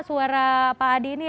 suara pak adi ini